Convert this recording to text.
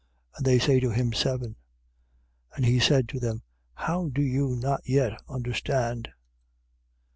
And they say to him: Seven. 8:21. And he said to them: How do you not yet understand?